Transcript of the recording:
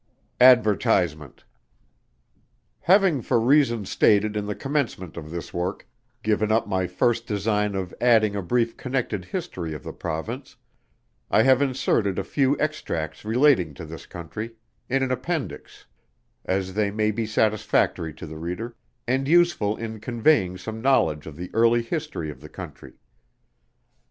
Advertisement. _Having for reasons stated in the commencement of this Work, given up my first design of adding a brief connected history of the Province, I have inserted a few extracts relating to this Country, in an Appendix; as they may be satisfactory to the reader, and useful in conveying some knowledge of the early history of the Country.